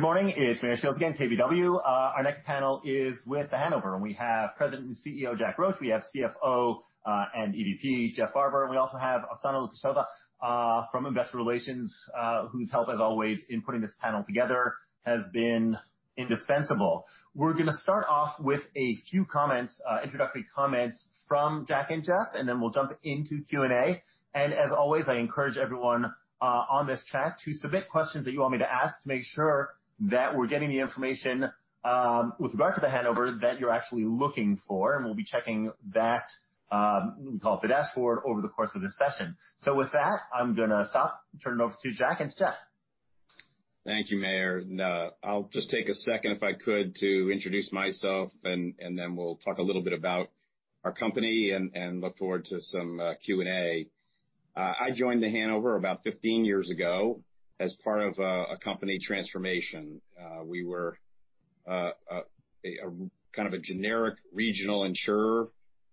Good morning, it's Meyer Shields again, KBW. Our next panel is with The Hanover, and we have President and CEO, Jack Roche. We have CFO, and EVP, Jeff Farber, and we also have Oksana Lukasheva, from investor relations, whose help, as always, in putting this panel together has been indispensable. We're going to start off with a few introductory comments from Jack and Jeff, then we'll jump into Q&A. As always, I encourage everyone on this chat to submit questions that you want me to ask to make sure that we're getting the information, with regard to The Hanover, that you're actually looking for, and we'll be checking that, we call it the dashboard, over the course of this session. With that, I'm going to stop and turn it over to Jack and Jeff. Thank you, Meyer. I'll just take a second, if I could, to introduce myself, then we'll talk a little bit about our company and look forward to some Q&A. I joined The Hanover about 15 years ago as part of a company transformation. We were kind of a generic regional insurer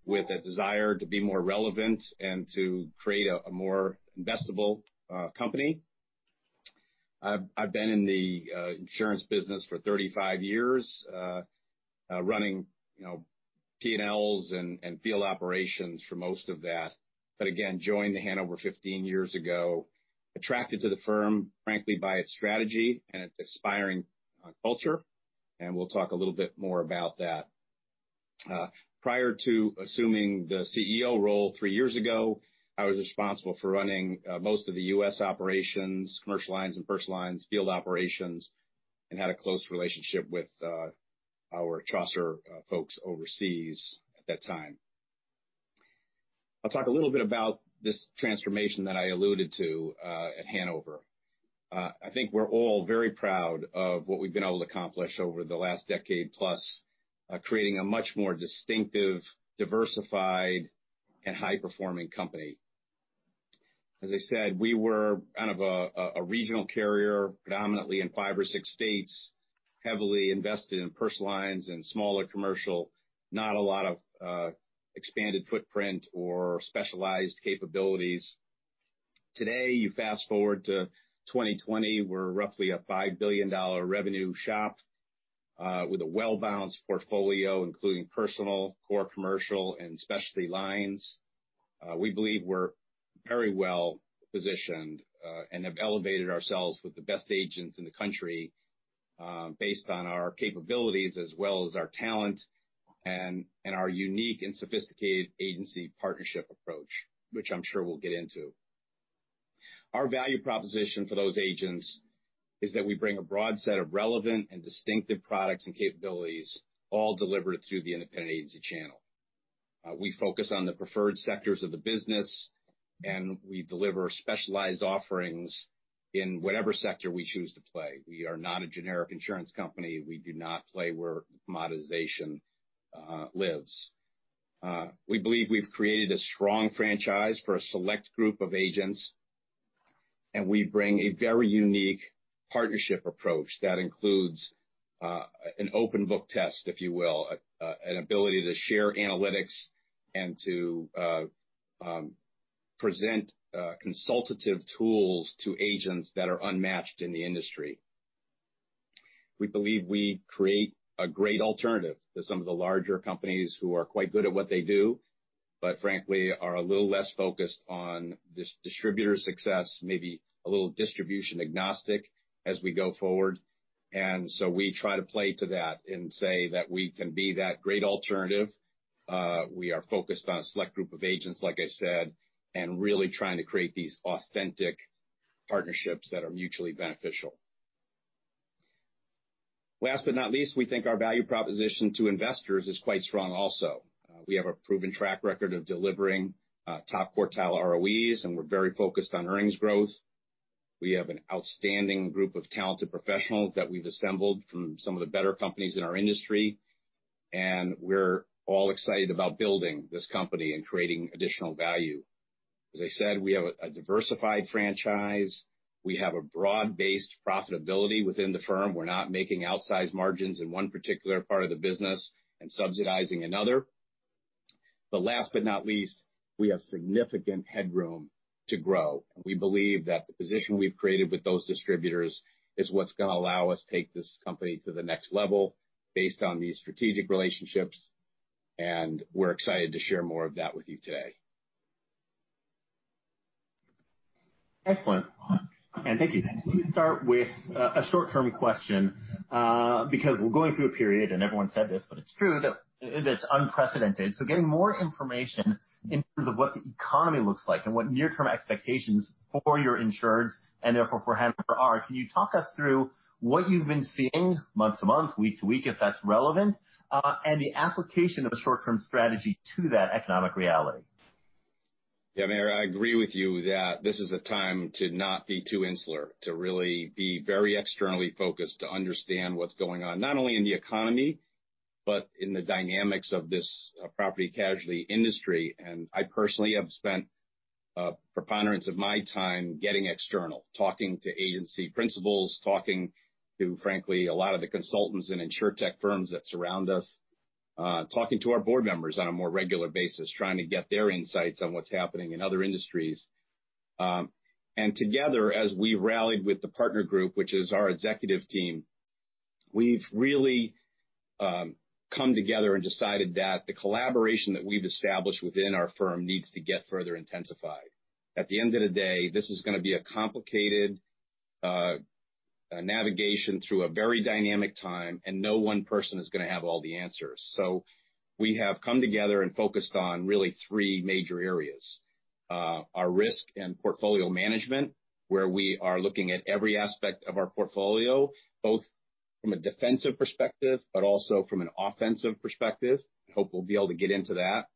with a desire to be more relevant and to create a more investable company. I've been in the insurance business for 35 years, running P&Ls and field operations for most of that. Joined The Hanover 15 years ago, attracted to the firm, frankly, by its strategy and its inspiring culture, and we'll talk a little bit more about that. Prior to assuming the CEO role 3 years ago, I was responsible for running most of the U.S. operations, commercial lines and personal lines, field operations, and had a close relationship with our Chaucer folks overseas at that time. I'll talk a little bit about this transformation that I alluded to at Hanover. I think we're all very proud of what we've been able to accomplish over the last decade plus, creating a much more distinctive, diversified, and high-performing company. As I said, we were kind of a regional carrier, predominantly in 5 or 6 states, heavily invested in personal lines and smaller commercial. Not a lot of expanded footprint or specialized capabilities. Today, you fast-forward to 2020, we're roughly a $5 billion revenue shop, with a well-balanced portfolio, including personal, core commercial, and specialty lines. We believe we're very well-positioned, have elevated ourselves with the best agents in the country, based on our capabilities as well as our talent and our unique and sophisticated agency partnership approach, which I'm sure we'll get into. Our value proposition for those agents is that we bring a broad set of relevant and distinctive products and capabilities, all delivered through the independent agency channel. We focus on the preferred sectors of the business, we deliver specialized offerings in whatever sector we choose to play. We are not a generic insurance company. We do not play where commoditization lives. We believe we've created a strong franchise for a select group of agents, we bring a very unique partnership approach that includes an open book test, if you will, an ability to share analytics and to present consultative tools to agents that are unmatched in the industry. We believe we create a great alternative to some of the larger companies who are quite good at what they do, but frankly, are a little less focused on the distributor success, maybe a little distribution agnostic as we go forward. So we try to play to that and say that we can be that great alternative. We are focused on a select group of agents, like I said, and really trying to create these authentic partnerships that are mutually beneficial. Last but not least, we think our value proposition to investors is quite strong also. We have a proven track record of delivering top quartile ROEs, and we're very focused on earnings growth. We have an outstanding group of talented professionals that we've assembled from some of the better companies in our industry, and we're all excited about building this company and creating additional value. As I said, we have a diversified franchise. We have a broad-based profitability within the firm. We're not making outsized margins in one particular part of the business and subsidizing another. Last but not least, we have significant headroom to grow. We believe that the position we've created with those distributors is what's going to allow us to take this company to the next level based on these strategic relationships, and we're excited to share more of that with you today. Excellent. Thank you. Let me start with a short-term question, because we're going through a period, and everyone said this, but it's true, that it is unprecedented. Getting more information in terms of what the economy looks like and what near-term expectations for your insurance and therefore for Hanover are. Can you talk us through what you've been seeing month to month, week to week, if that's relevant, and the application of a short-term strategy to that economic reality? Yeah, Meyer, I agree with you that this is a time to not be too insular, to really be very externally focused, to understand what's going on, not only in the economy, but in the dynamics of this property casualty industry. I personally have spent a preponderance of my time getting external, talking to agency principals, talking to, frankly, a lot of the consultants and insurtech firms that surround us, talking to our board members on a more regular basis, trying to get their insights on what's happening in other industries. Together, as we rallied with the Partner Group, which is our executive team, we've really come together and decided that the collaboration that we've established within our firm needs to get further intensified. At the end of the day, this is going to be a complicated navigation through a very dynamic time, and no one person is going to have all the answers. We have come together and focused on really three major areas. Our risk and portfolio management, where we are looking at every aspect of our portfolio, both from a defensive perspective, but also from an offensive perspective. I hope we'll be able to get into that.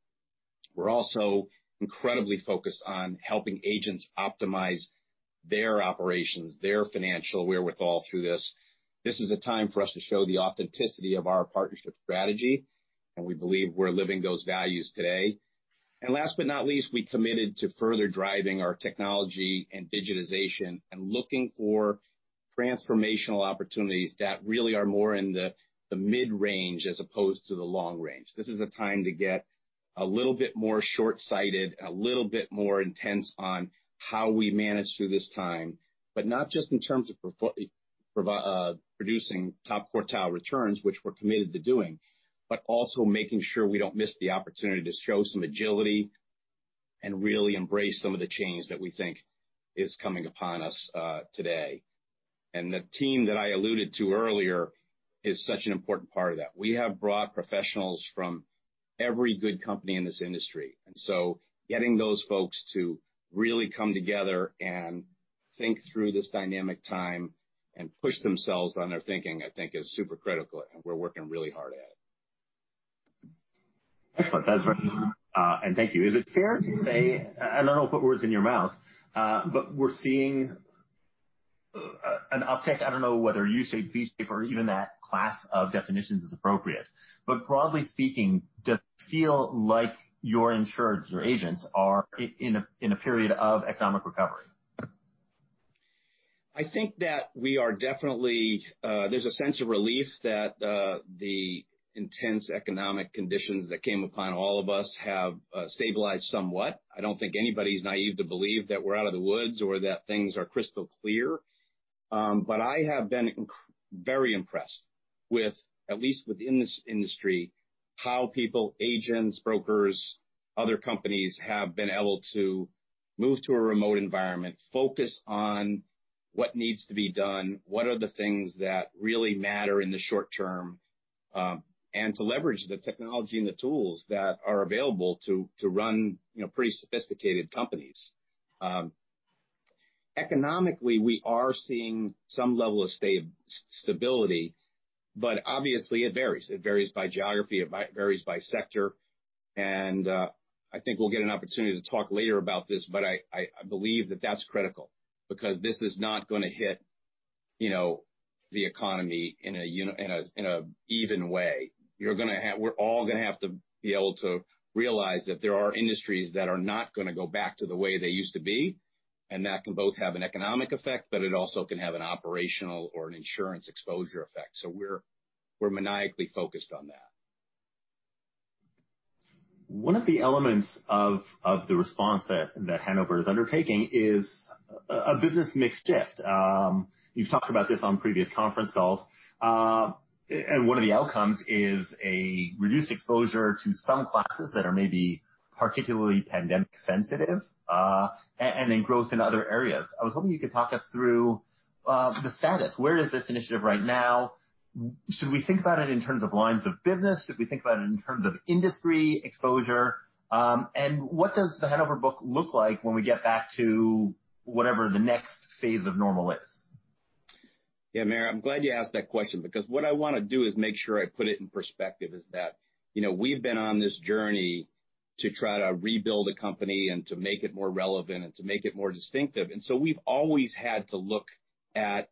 We're also incredibly focused on helping agents optimize their operations, their financial wherewithal through this. This is a time for us to show the authenticity of our partnership strategy, and we believe we're living those values today. Last but not least, we committed to further driving our technology and digitization and looking for transformational opportunities that really are more in the mid-range as opposed to the long range. This is a time to get a little bit more short-sighted, a little bit more intense on how we manage through this time. Not just in terms of producing top quartile returns, which we're committed to doing, but also making sure we don't miss the opportunity to show some agility and really embrace some of the change that we think is coming upon us today. The team that I alluded to earlier is such an important part of that. We have brought professionals from every good company in this industry, getting those folks to really come together and think through this dynamic time and push themselves on their thinking, I think is super critical and we're working really hard at it. Excellent. That's very. Thank you. Is it fair to say, I don't want to put words in your mouth, but we're seeing an uptick. I don't know whether you say V-shape or even that class of definitions is appropriate. Broadly speaking, does it feel like your insureds, your agents are in a period of economic recovery? I think that we are definitely. There's a sense of relief that the intense economic conditions that came upon all of us have stabilized somewhat. I don't think anybody's naive to believe that we're out of the woods or that things are crystal clear. I have been very impressed with, at least within this industry, how people, agents, brokers, other companies, have been able to move to a remote environment, focus on what needs to be done, what are the things that really matter in the short term, and to leverage the technology and the tools that are available to run pretty sophisticated companies. Economically, we are seeing some level of stability, but obviously it varies. It varies by geography, it varies by sector, and I think we'll get an opportunity to talk later about this. I believe that's critical because this is not going to hit the economy in an even way. We're all going to have to be able to realize that there are industries that are not going to go back to the way they used to be, and that can both have an economic effect, but it also can have an operational or an insurance exposure effect. We're maniacally focused on that. One of the elements of the response that Hanover is undertaking is a business mix shift. You've talked about this on previous conference calls. One of the outcomes is a reduced exposure to some classes that are maybe particularly pandemic sensitive, and then growth in other areas. I was hoping you could talk us through the status. Where is this initiative right now? Should we think about it in terms of lines of business? Should we think about it in terms of industry exposure? What does the Hanover book look like when we get back to whatever the next phase of normal is? Yeah, Meyer, I'm glad you asked that question because what I want to do is make sure I put it in perspective is that we've been on this journey to try to rebuild a company and to make it more relevant and to make it more distinctive. We've always had to look at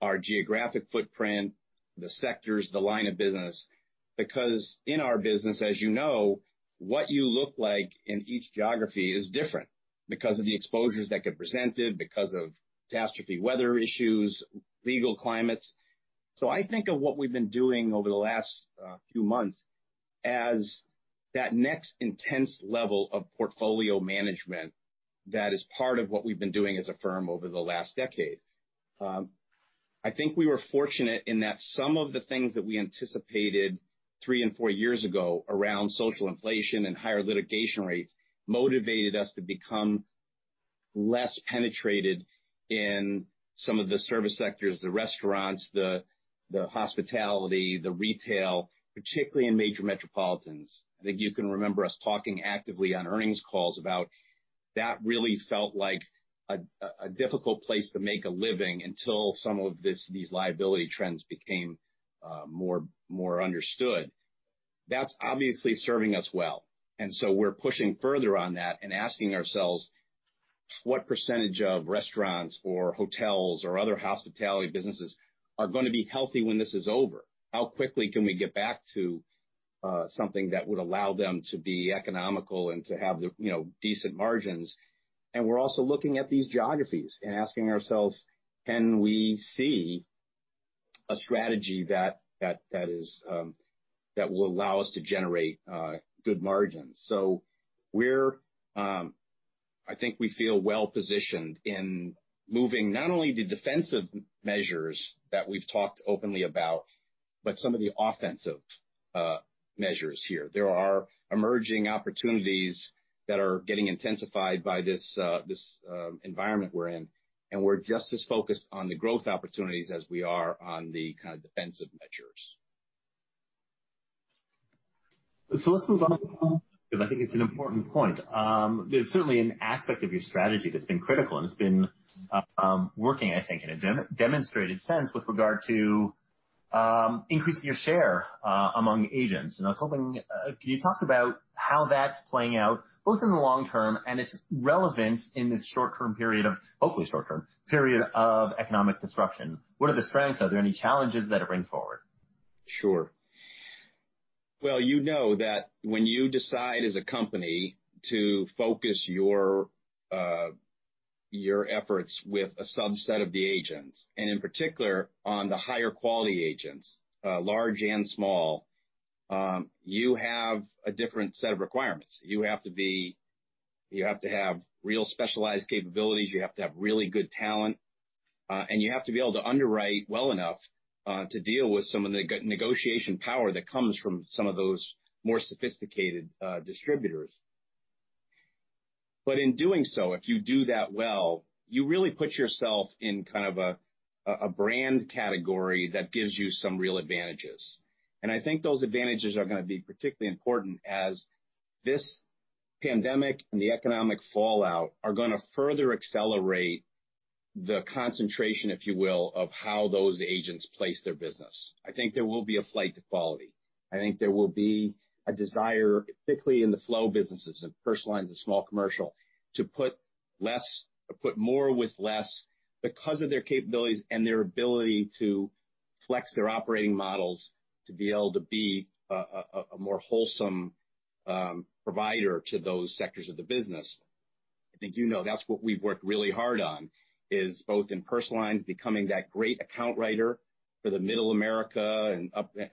our geographic footprint, the sectors, the line of business, because in our business, as you know, what you look like in each geography is different because of the exposures that get presented, because of catastrophe weather issues, legal climates. I think of what we've been doing over the last few months as that next intense level of portfolio management that is part of what we've been doing as a firm over the last decade. I think we were fortunate in that some of the things that we anticipated three and four years ago around social inflation and higher litigation rates motivated us to become less penetrated in some of the service sectors, the restaurants, the hospitality, the retail, particularly in major metropolitans. I think you can remember us talking actively on earnings calls about that really felt like a difficult place to make a living until some of these liability trends became more understood. That's obviously serving us well. We're pushing further on that and asking ourselves what % of restaurants or hotels or other hospitality businesses are going to be healthy when this is over. How quickly can we get back to something that would allow them to be economical and to have decent margins? We're also looking at these geographies and asking ourselves, can we see a strategy that will allow us to generate good margins. I think we feel well-positioned in moving not only to defensive measures that we've talked openly about, but some of the offensive measures here. There are emerging opportunities that are getting intensified by this environment we're in, and we're just as focused on the growth opportunities as we are on the kind of defensive measures. Let's move on, because I think it's an important point. There's certainly an aspect of your strategy that's been critical, and it's been working, I think, in a demonstrated sense with regard to increasing your share among agents. I was hoping, can you talk about how that's playing out, both in the long term and its relevance in this short-term period of, hopefully short-term, period of economic disruption? What are the strengths? Are there any challenges that it brings forward? Sure. Well, you know that when you decide as a company to focus your efforts with a subset of the agents, and in particular on the higher quality agents, large and small, you have a different set of requirements. You have to have real specialized capabilities. You have to have really good talent, and you have to be able to underwrite well enough, to deal with some of the negotiation power that comes from some of those more sophisticated distributors. In doing so, if you do that well, you really put yourself in kind of a brand category that gives you some real advantages. I think those advantages are going to be particularly important as this pandemic and the economic fallout are going to further accelerate the concentration, if you will, of how those agents place their business. I think there will be a flight to quality. I think there will be a desire, particularly in the flow businesses and personal lines of small commercial, to put more with less because of their capabilities and their ability to flex their operating models to be able to be a more wholesome provider to those sectors of the business. I think you know that's what we've worked really hard on, is both in personal lines, becoming that great account writer for the Middle America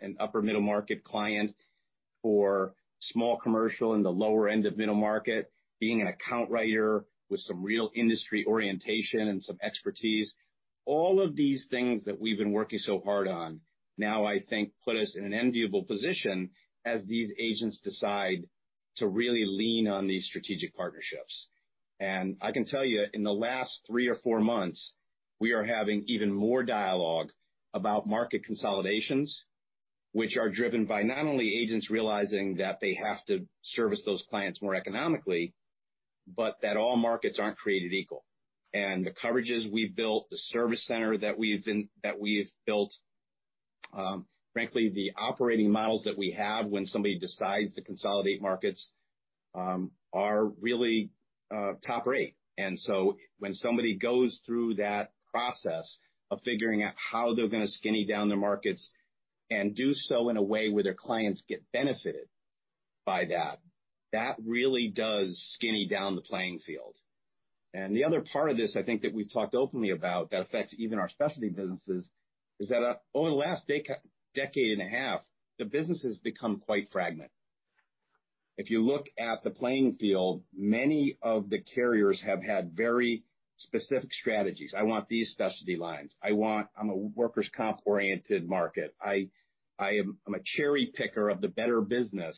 and upper middle market client for small commercial in the lower end of middle market, being an account writer with some real industry orientation and some expertise. All of these things that we've been working so hard on now, I think, put us in an enviable position as these agents decide to really lean on these strategic partnerships. I can tell you, in the last three or four months, we are having even more dialogue about market consolidations, which are driven by not only agents realizing that they have to service those clients more economically, but that all markets aren't created equal. The coverages we've built, the service center that we've built, frankly, the operating models that we have when somebody decides to consolidate markets, are really top rate. When somebody goes through that process of figuring out how they're going to skinny down their markets and do so in a way where their clients get benefited by that really does skinny down the playing field. The other part of this, I think that we've talked openly about, that affects even our specialty businesses, is that over the last decade and a half, the business has become quite fragmented. If you look at the playing field, many of the carriers have had very specific strategies. I want these specialty lines. I'm a workers' comp-oriented market. I'm a cherry picker of the better business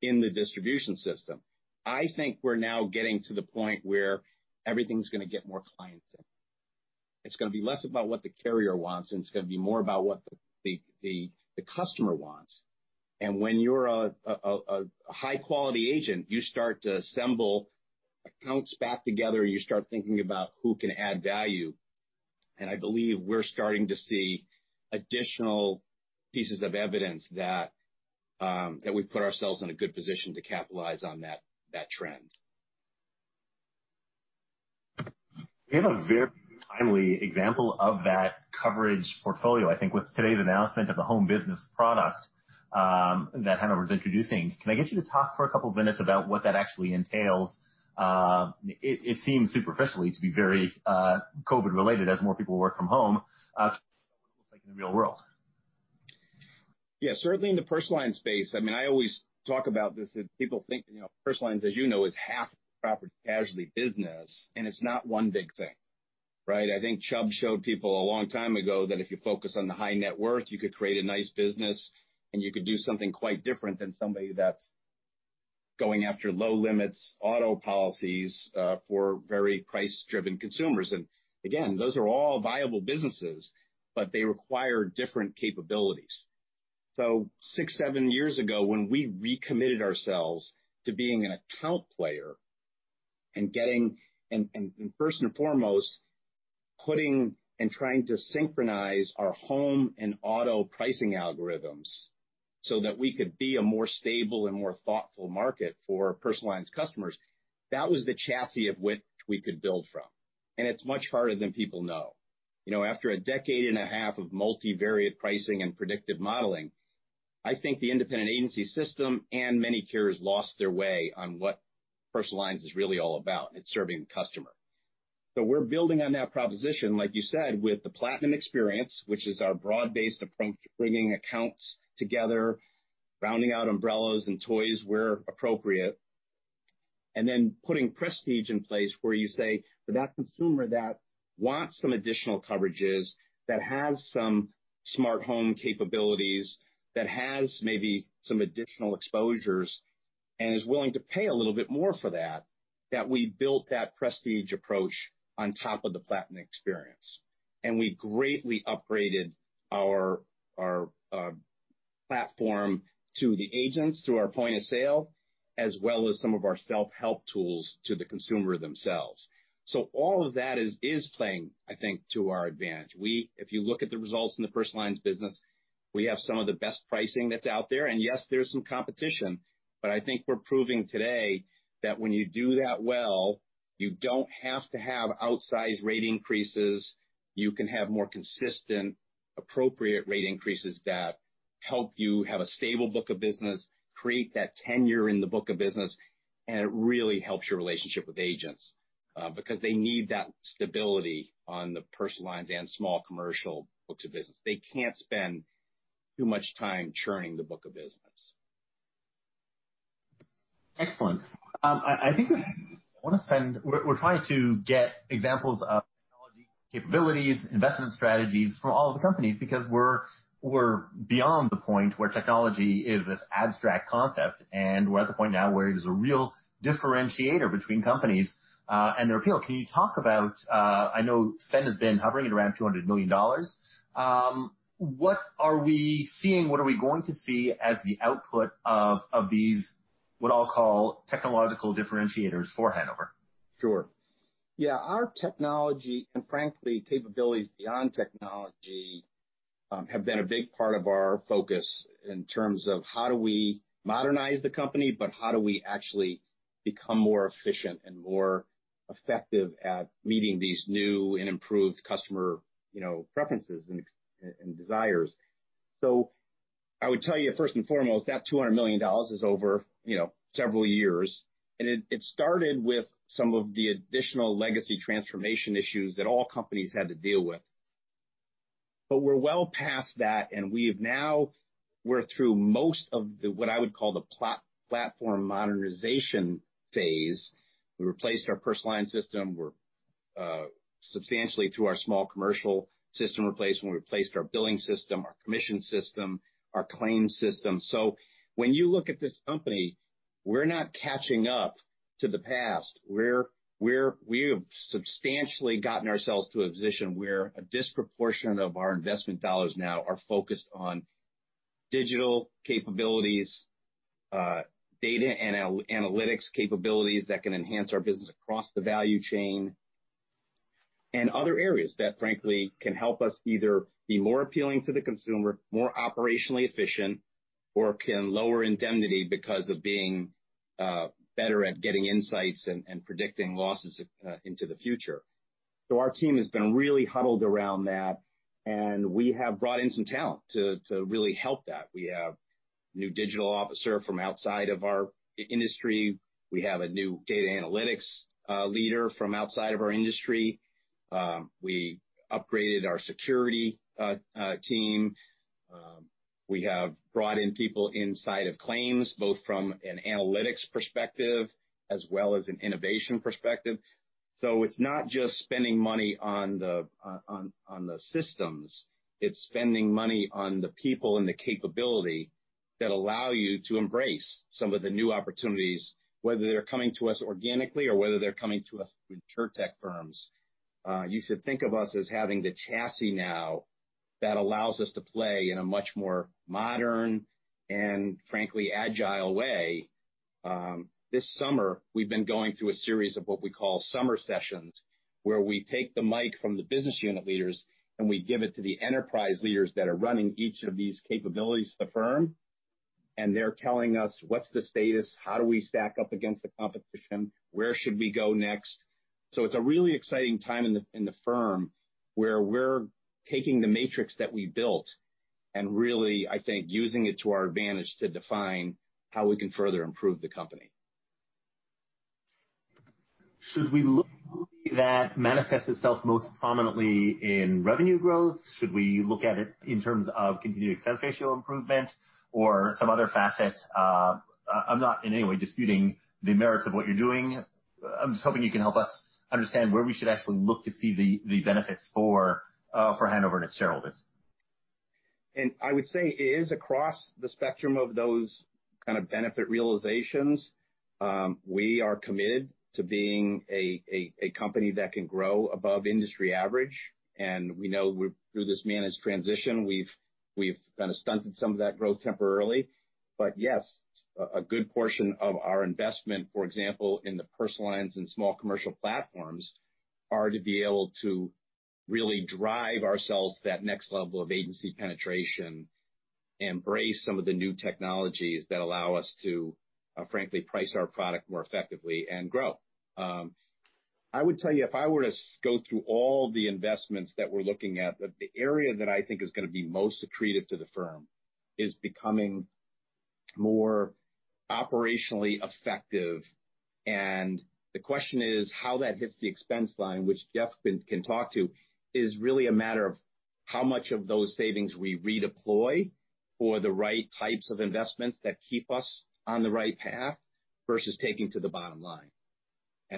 in the distribution system. I think we're now getting to the point where everything's going to get more client-centric. It's going to be less about what the carrier wants, and it's going to be more about what the customer wants. When you're a high-quality agent, you start to assemble accounts back together, and you start thinking about who can add value. I believe we're starting to see additional pieces of evidence that we've put ourselves in a good position to capitalize on that trend. We have a very timely example of that coverage portfolio, I think, with today's announcement of the home business product that Hanover is introducing. Can I get you to talk for a couple of minutes about what that actually entails? It seems superficially to be very COVID related as more people work from home, what it looks like in the real world. Certainly in the personal lines space. I always talk about this, that people think personal lines, as you know, is half the property casualty business, and it's not one big thing, right? I think Chubb showed people a long time ago that if you focus on the high net worth, you could create a nice business, and you could do something quite different than somebody that's going after low limits auto policies for very price-driven consumers. Again, those are all viable businesses, but they require different capabilities. Six, seven years ago, when we recommitted ourselves to being an account player and first and foremost, putting and trying to synchronize our home and auto pricing algorithms so that we could be a more stable and more thoughtful market for personal lines customers, that was the chassis of which we could build from. It's much harder than people know. After a decade and a half of multivariate pricing and predictive modeling, I think the independent agency system and many carriers lost their way on what personal lines is really all about. It's serving the customer. We're building on that proposition, like you said, with the Platinum experience, which is our broad-based approach, bringing accounts together, rounding out umbrellas and toys where appropriate, then putting Prestige in place where you say, for that consumer that wants some additional coverages, that has some smart home capabilities, that has maybe some additional exposures and is willing to pay a little bit more for that we built that Prestige approach on top of the Platinum experience. We greatly upgraded our platform to the agents through our point of sale, as well as some of our self-help tools to the consumer themselves. All of that is playing, I think, to our advantage. If you look at the results in the personal lines business, we have some of the best pricing that's out there. Yes, there's some competition, but I think we're proving today that when you do that well, you don't have to have outsized rate increases. You can have more consistent, appropriate rate increases that help you have a stable book of business, create that tenure in the book of business, and it really helps your relationship with agents, because they need that stability on the personal lines and small commercial books of business. They can't spend too much time churning the book of business. Excellent. We're trying to get examples of technology capabilities, investment strategies from all of the companies because we're beyond the point where technology is this abstract concept, and we're at the point now where it is a real differentiator between companies and their appeal. Can you talk about, I know spend has been hovering at around $200 million. What are we seeing, what are we going to see as the output of these, what I'll call technological differentiators for Hanover? Sure, our technology and frankly, capabilities beyond technology, have been a big part of our focus in terms of how do we modernize the company, but how do we actually become more efficient and more effective at meeting these new and improved customer preferences and desires. I would tell you, first and foremost, that $200 million is over several years. It started with some of the additional legacy transformation issues that all companies had to deal with. But we're well past that, and we're through most of what I would call the platform modernization phase. We replaced our personal line system. We're substantially through our small commercial system replacement. We replaced our billing system, our commission system, our claims system. When you look at this company, we're not catching up to the past. We have substantially gotten ourselves to a position where a disproportion of our investment dollars now are focused on digital capabilities, data analytics capabilities that can enhance our business across the value chain, and other areas that frankly can help us either be more appealing to the consumer, more operationally efficient, or can lower indemnity because of being better at getting insights and predicting losses into the future. Our team has been really huddled around that, and we have brought in some talent to really help that. We have a new digital officer from outside of our industry. We have a new data analytics leader from outside of our industry. We upgraded our security team. We have brought in people inside of claims, both from an analytics perspective as well as an innovation perspective. It's not just spending money on the systems, it's spending money on the people and the capability that allow you to embrace some of the new opportunities, whether they're coming to us organically or whether they're coming to us through Insurtech firms. You should think of us as having the chassis now that allows us to play in a much more modern and frankly, agile way. This summer, we've been going through a series of what we call summer sessions, where we take the mic from the business unit leaders, and we give it to the enterprise leaders that are running each of these capabilities of the firm. They're telling us what's the status, how do we stack up against the competition? Where should we go next? It's a really exciting time in the firm where we're taking the matrix that we built and really, I think, using it to our advantage to define how we can further improve the company. Should we look at that manifests itself most prominently in revenue growth? Should we look at it in terms of continued expense ratio improvement or some other facet? I'm not in any way disputing the merits of what you're doing. I'm just hoping you can help us understand where we should actually look to see the benefits for Hanover and its shareholders. I would say it is across the spectrum of those kind of benefit realizations. We are committed to being a company that can grow above industry average, and we know through this managed transition, we've kind of stunted some of that growth temporarily. Yes, a good portion of our investment, for example, in the personal lines and small commercial platforms, are to be able to really drive ourselves to that next level of agency penetration, embrace some of the new technologies that allow us to frankly price our product more effectively and grow. I would tell you, if I were to go through all the investments that we're looking at, the area that I think is going to be most accretive to the firm is becoming more operationally effective. The question is how that hits the expense line, which Jeff can talk to, is really a matter of how much of those savings we redeploy for the right types of investments that keep us on the right path versus taking to the bottom line.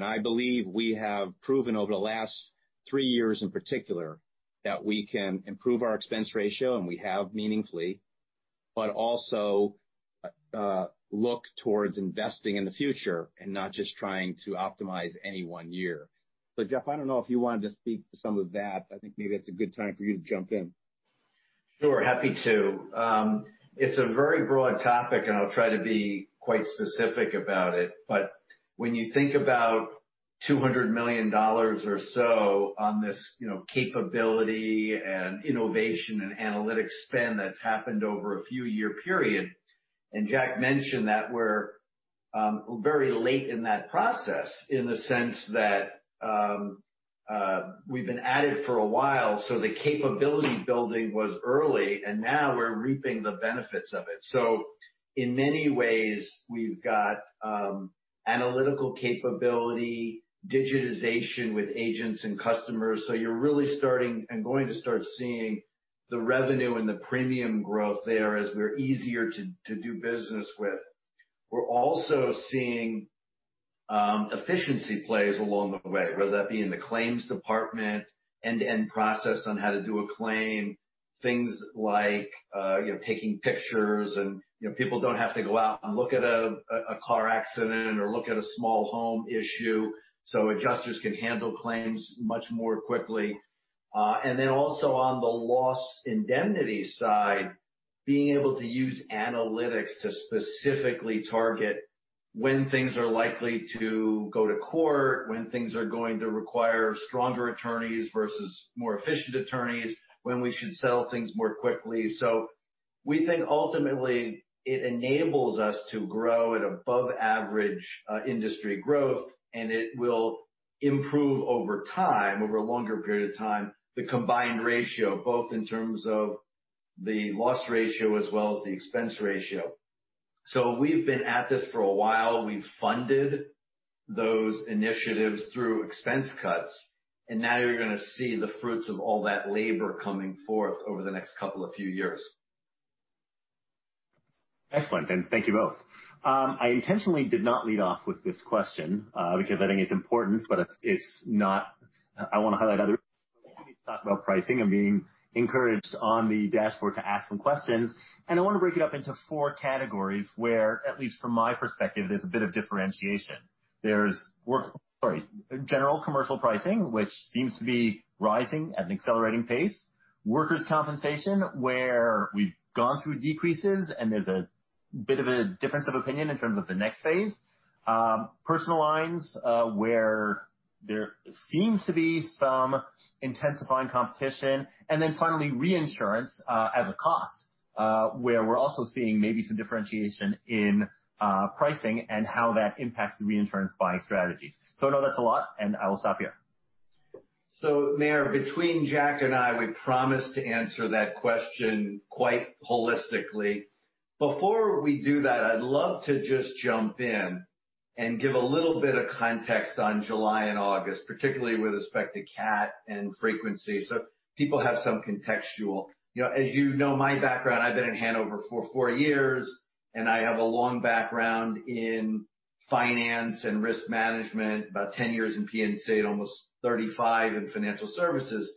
I believe we have proven over the last three years, in particular, that we can improve our expense ratio, and we have meaningfully, but also look towards investing in the future and not just trying to optimize any one year. Jeff, I don't know if you wanted to speak to some of that. I think maybe it's a good time for you to jump in. Sure. Happy to. It's a very broad topic, and I'll try to be quite specific about it. When you think about $200 million or so on this capability and innovation and analytics spend that's happened over a few year period, Jack mentioned that we're very late in that process in the sense that we've been at it for a while, so the capability building was early, and now we're reaping the benefits of it. In many ways, we've got analytical capability, digitization with agents and customers. You're really starting and going to start seeing the revenue and the premium growth there as we're easier to do business with. We're also seeing efficiency plays along the way, whether that be in the claims department, end-to-end process on how to do a claim, things like taking pictures and people don't have to go out and look at a car accident or look at a small home issue, so adjusters can handle claims much more quickly. Then also on the loss indemnity side, being able to use analytics to specifically target when things are likely to go to court, when things are going to require stronger attorneys versus more efficient attorneys, when we should settle things more quickly. We think ultimately it enables us to grow at above average industry growth, and it will improve over time, over a longer period of time, the combined ratio, both in terms of the loss ratio as well as the expense ratio. We've been at this for a while. We've funded those initiatives through expense cuts, now you're going to see the fruits of all that labor coming forth over the next couple of few years. Excellent. Thank you both. I intentionally did not lead off with this question because I think it's important, but it's not I want to highlight other things. Let me talk about pricing. I'm being encouraged on the dashboard to ask some questions, I want to break it up into four categories where, at least from my perspective, there's a bit of differentiation. General commercial pricing, which seems to be rising at an accelerating pace, workers' compensation, where we've gone through decreases, there's a bit of a difference of opinion in terms of the next phase. Personal lines, where there seems to be some intensifying competition. Finally, reinsurance as a cost, where we're also seeing maybe some differentiation in pricing and how that impacts the reinsurance buying strategies. I know that's a lot, I will stop here. Meyer, between Jack and I, we promise to answer that question quite holistically. Before we do that, I'd love to just jump in and give a little bit of context on July and August, particularly with respect to CAT and frequency, so people have some contextual. As you know my background, I've been at Hanover for four years, I have a long background in finance and risk management, about 10 years in P&C, almost 35 in financial services.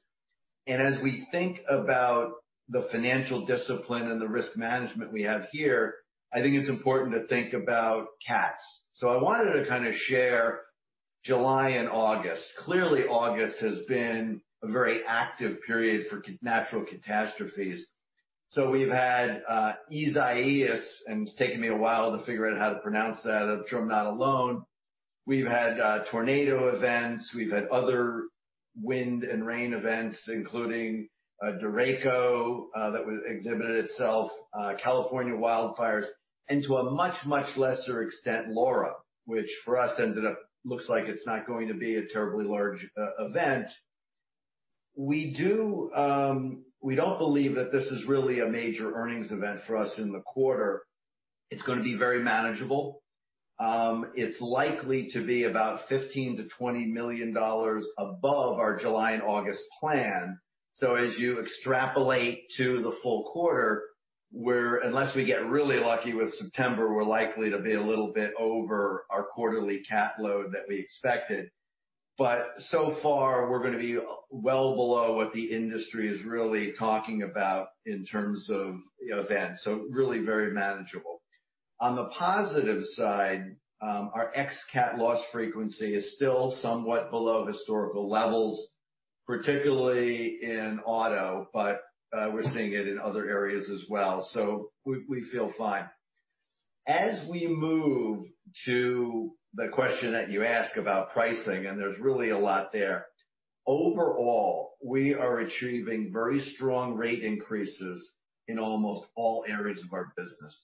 As we think about the financial discipline and the risk management we have here, I think it's important to think about CATs. I wanted to share July and August. Clearly, August has been a very active period for natural catastrophes. We've had Isaias, it's taken me a while to figure out how to pronounce that. I'm sure I'm not alone. We've had tornado events, we've had other wind and rain events, including Derecho that exhibited itself, California wildfires, to a much, much lesser extent, Laura, which for us ended up looks like it's not going to be a terribly large event. We don't believe that this is really a major earnings event for us in the quarter. It's going to be very manageable. It's likely to be about $15 million-$20 million above our July and August plan. As you extrapolate to the full quarter, unless we get really lucky with September, we're likely to be a little bit over our quarterly CAT load that we expected. But so far, we're going to be well below what the industry is really talking about in terms of events. Really very manageable. On the positive side, our ex CAT loss frequency is still somewhat below historical levels, particularly in auto, but we're seeing it in other areas as well. We feel fine. We move to the question that you ask about pricing, there's really a lot there. Overall, we are achieving very strong rate increases in almost all areas of our business,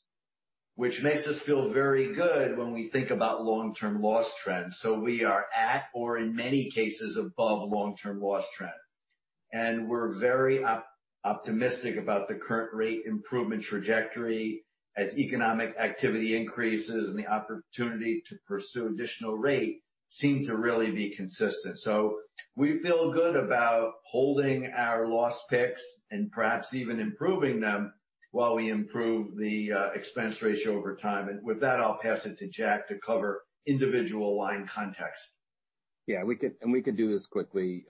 which makes us feel very good when we think about long-term loss trends. We are at, or in many cases above long-term loss trends. We're very optimistic about the current rate improvement trajectory as economic activity increases and the opportunity to pursue additional rate seem to really be consistent. We feel good about holding our loss picks and perhaps even improving them while we improve the expense ratio over time. With that, I'll pass it to Jack to cover individual line context. We can do this quickly.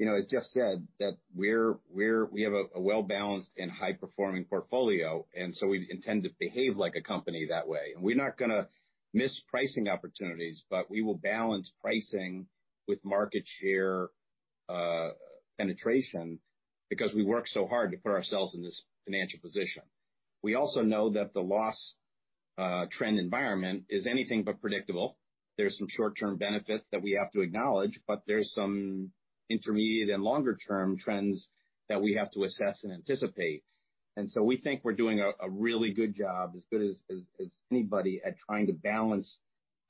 As Jeff said, that we have a well-balanced and high-performing portfolio, we intend to behave like a company that way. We're not going to miss pricing opportunities, but we will balance pricing with market share penetration because we worked so hard to put ourselves in this financial position. We also know that the loss trend environment is anything but predictable. There's some short-term benefits that we have to acknowledge, but there's some intermediate and longer-term trends that we have to assess and anticipate. We think we're doing a really good job, as good as anybody, at trying to balance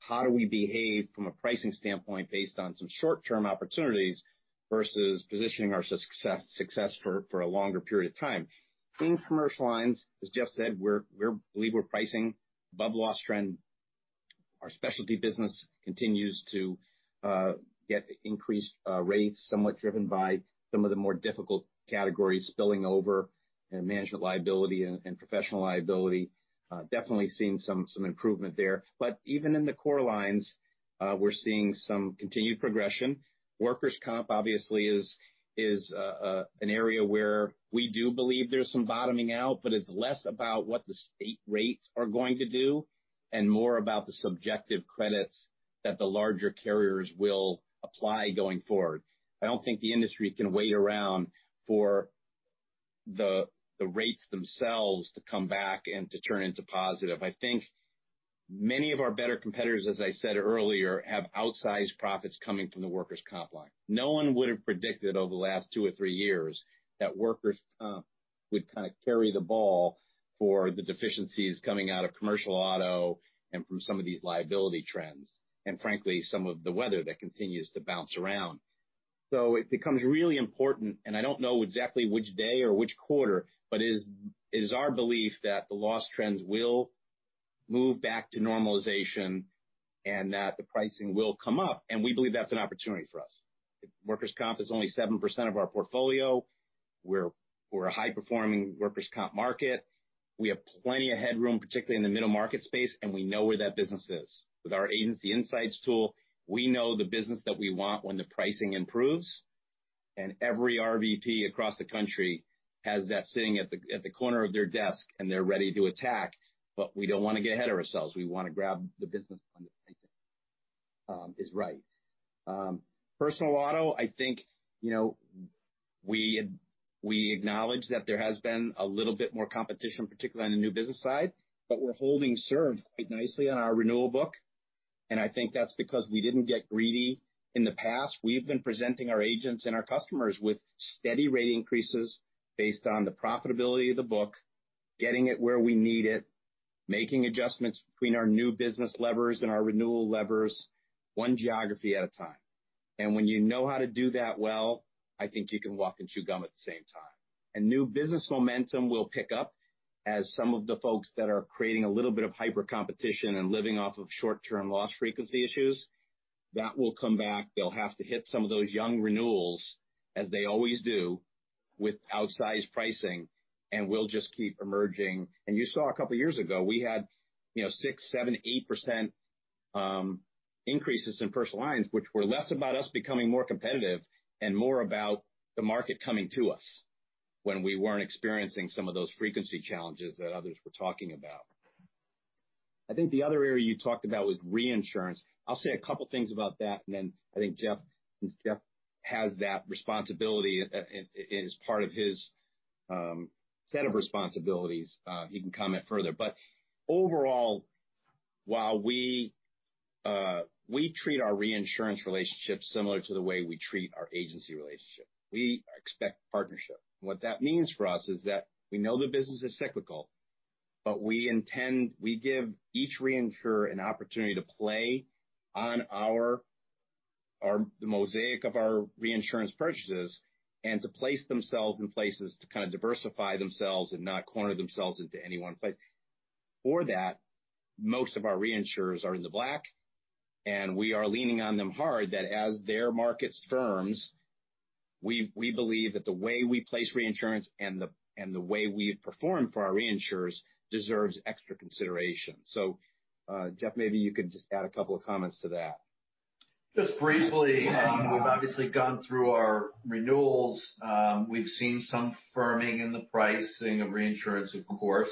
how do we behave from a pricing standpoint based on some short-term opportunities versus positioning our success for a longer period of time. In commercial lines, as Jeff said, we believe we're pricing above loss trend. Our specialty business continues to get increased rates, somewhat driven by some of the more difficult categories spilling over in management liability and professional liability. Definitely seeing some improvement there. Even in the core lines, we're seeing some continued progression. Workers' comp, obviously, is an area where we do believe there's some bottoming out, but it's less about what the state rates are going to do and more about the subjective credits that the larger carriers will apply going forward. I don't think the industry can wait around for the rates themselves to come back and to turn into positive. I think many of our better competitors, as I said earlier, have outsized profits coming from the workers' comp line. No one would have predicted over the last two or three years that workers' comp would kind of carry the ball for the deficiencies coming out of commercial auto and from some of these liability trends, and frankly, some of the weather that continues to bounce around. It becomes really important, and I don't know exactly which day or which quarter, but it is our belief that the loss trends will move back to normalization and that the pricing will come up. We believe that's an opportunity for us. Workers' comp is only 7% of our portfolio. We're a high-performing workers' comp market. We have plenty of headroom, particularly in the middle market space, and we know where that business is. With our Agency Insights tool, we know the business that we want when the pricing improves, and every RVP across the country has that sitting at the corner of their desk, and they're ready to attack. We don't want to get ahead of ourselves. We want to grab the business when the pricing is right. personal auto, I think, we acknowledge that there has been a little bit more competition, particularly on the new business side, but we're holding serve quite nicely on our renewal book, and I think that's because we didn't get greedy. In the past, we've been presenting our agents and our customers with steady rate increases based on the profitability of the book, getting it where we need it, making adjustments between our new business levers and our renewal levers one geography at a time. When you know how to do that well, I think you can walk and chew gum at the same time. New business momentum will pick up as some of the folks that are creating a little bit of hyper competition and living off of short-term loss frequency issues, that will come back. They'll have to hit some of those young renewals, as they always do, with outsized pricing, and we'll just keep emerging. You saw a couple of years ago, we had six, seven, 8% increases in personal lines, which were less about us becoming more competitive and more about the market coming to us when we weren't experiencing some of those frequency challenges that others were talking about. I think the other area you talked about was reinsurance. I'll say a couple of things about that, and then I think Jeff has that responsibility as part of his set of responsibilities. He can comment further. Overall, we treat our reinsurance relationship similar to the way we treat our agency relationship. We expect partnership. What that means for us is that we know the business is cyclical, but we give each reinsurer an opportunity to play on the mosaic of our reinsurance purchases and to place themselves in places to kind of diversify themselves and not corner themselves into any one place. For that, most of our reinsurers are in the black, and we are leaning on them hard that as their markets firms, we believe that the way we place reinsurance and the way we perform for our reinsurers deserves extra consideration. Jeff, maybe you could just add a couple of comments to that. Just briefly, we've obviously gone through our renewals. We've seen some firming in the pricing of reinsurance, of course.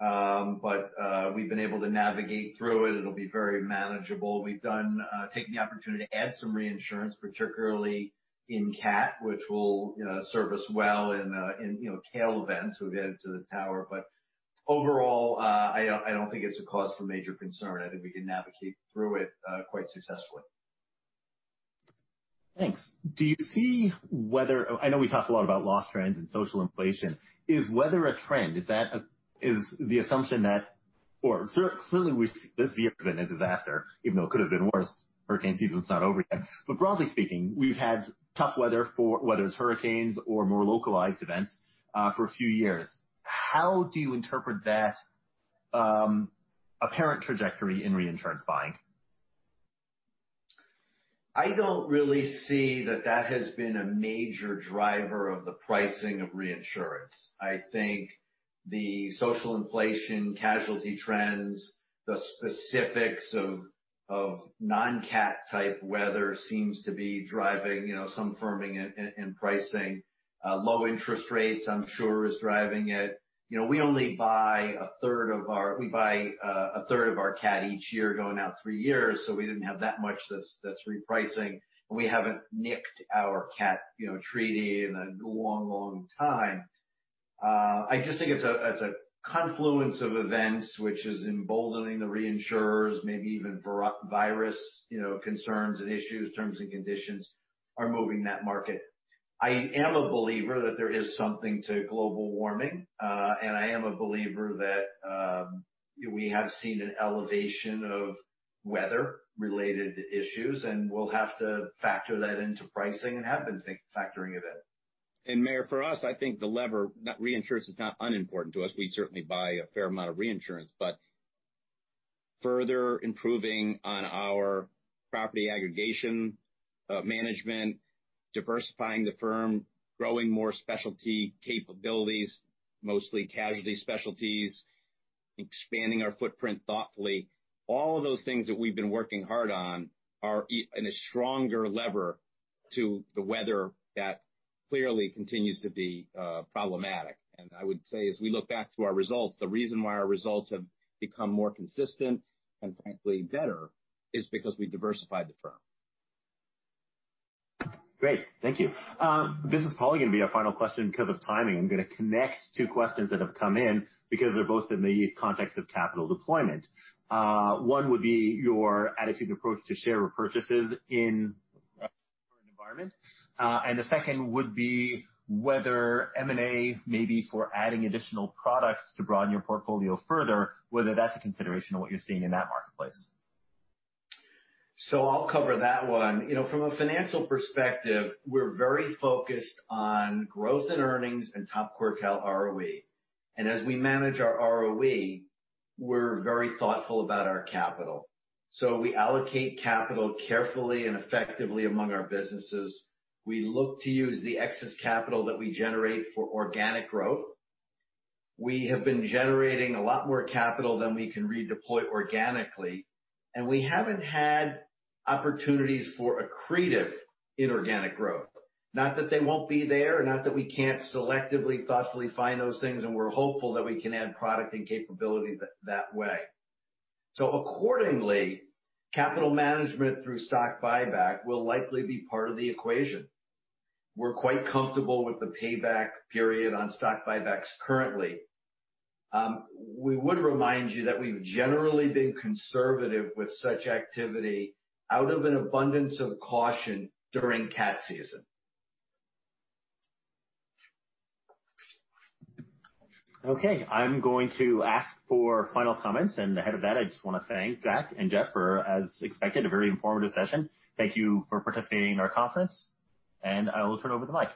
We've been able to navigate through it. It'll be very manageable. We've taken the opportunity to add some reinsurance, particularly in CAT, which will serve us well in tail events. We've added to the tower. Overall, I don't think it's a cause for major concern. I think we can navigate through it quite successfully. Thanks. I know we talked a lot about loss trends and social inflation. Is weather a trend? Is the assumption that clearly this year has been a disaster, even though it could've been worse. Hurricane season's not over yet. Broadly speaking, we've had tough weather, whether it's hurricanes or more localized events, for a few years. How do you interpret that apparent trajectory in reinsurance buying? I don't really see that that has been a major driver of the pricing of reinsurance. I think the social inflation, casualty trends, the specifics of non-CAT type weather seems to be driving some firming and pricing. Low interest rates, I'm sure is driving it. We only buy a third of our CAT each year going out three years, so we didn't have that much that's repricing, and we haven't nicked our CAT treaty in a long, long time. I just think it's a confluence of events which is emboldening the reinsurers, maybe even virus concerns and issues, terms and conditions are moving that market. I am a believer that there is something to global warming. I am a believer that we have seen an elevation of weather-related issues, and we'll have to factor that into pricing and have been factoring it in. Meyer Shields, for us, I think the lever, reinsurance is not unimportant to us. We certainly buy a fair amount of reinsurance. Further improving on our property aggregation management, diversifying the firm, growing more specialty capabilities, mostly casualty specialties, expanding our footprint thoughtfully, all of those things that we've been working hard on are in a stronger lever to the weather that clearly continues to be problematic. I would say as we look back through our results, the reason why our results have become more consistent, and frankly better, is because we diversified the firm. Great. Thank you. This is probably going to be our final question because of timing. I'm going to connect two questions that have come in because they're both in the context of capital deployment. One would be your attitude approach to share repurchases in current environment. The second would be whether M&A may be for adding additional products to broaden your portfolio further, whether that's a consideration of what you're seeing in that marketplace. I'll cover that one. From a financial perspective, we're very focused on growth in earnings and top quartile ROE. As we manage our ROE, we're very thoughtful about our capital. We allocate capital carefully and effectively among our businesses. We look to use the excess capital that we generate for organic growth. We have been generating a lot more capital than we can redeploy organically, and we haven't had opportunities for accretive inorganic growth. Not that they won't be there, not that we can't selectively, thoughtfully find those things, and we're hopeful that we can add product and capability that way. Accordingly, capital management through stock buyback will likely be part of the equation. We're quite comfortable with the payback period on stock buybacks currently. We would remind you that we've generally been conservative with such activity out of an abundance of caution during CAT season. Okay. I'm going to ask for final comments, ahead of that, I just want to thank Jack and Jeff for, as expected, a very informative session. Thank you for participating in our conference, I will turn over the mic.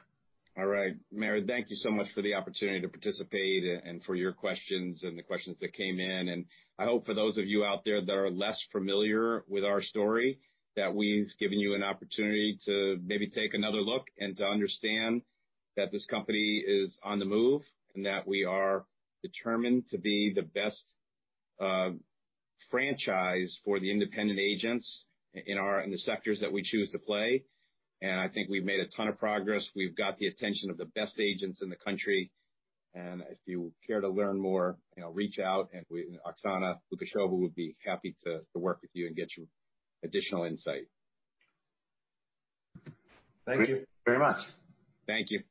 All right. Meyer, thank you so much for the opportunity to participate and for your questions and the questions that came in. I hope for those of you out there that are less familiar with our story, that we've given you an opportunity to maybe take another look and to understand that this company is on the move and that we are determined to be the best franchise for the independent agents in the sectors that we choose to play. I think we've made a ton of progress. We've got the attention of the best agents in the country, and if you care to learn more, reach out, and Oksana Lukasheva would be happy to work with you and get you additional insight. Thank you very much. Thank you